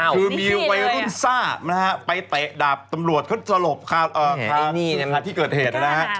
คือเมียวดูซ่าไปเตะดาบตำหรวดเขาสลบขาดรับที่เกิดเหตุนะฮะ